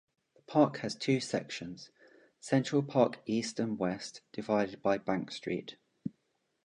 The park has two sections, Central Park East and West divided by Bank Street.